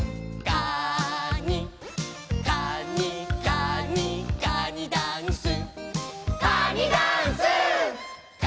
「かにかにかにかにダンス」